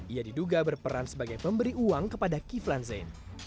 ia diduga berperan sebagai pemberi uang kepada kip lansin